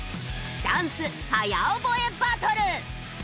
ダンス早覚えバトル！